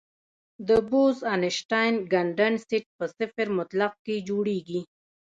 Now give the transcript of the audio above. د بوز-اینشټاین کنډنسیټ په صفر مطلق کې جوړېږي.